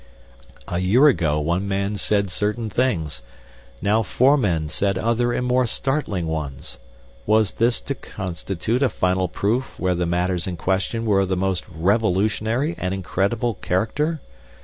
A year ago one man said certain things. Now four men said other and more startling ones. Was this to constitute a final proof where the matters in question were of the most revolutionary and incredible character?